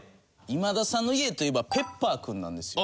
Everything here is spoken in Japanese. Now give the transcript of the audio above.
今田さんの家といえばＰｅｐｐｅｒ君なんですよ。